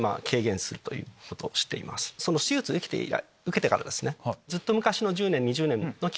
その手術を受けてから。